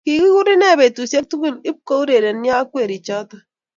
Kikigur ine petusiek tugul ipko urerenio ak werichoto